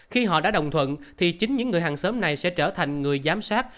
khi họ đã đồng thuận thì chính những người hàng xóm này sẽ trở thành người giám sát